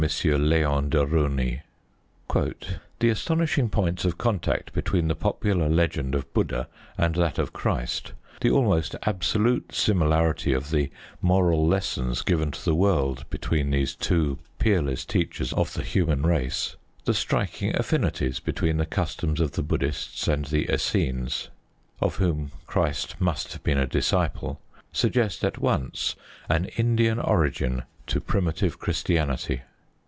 Leon de Rosny: The astonishing points of contact between the popular legend of Buddha and that of Christ, the almost absolute similarity of the moral lessons given to the world between these two peerless teachers of the human race, the striking affinities between the customs of the Buddhists and the Essenes, of whom Christ must have been a disciple, suggest at once an Indian origin to Primitive Christianity.